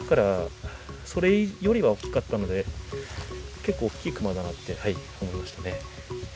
それよりは大きかったので、結構、大きいクマだなって思いま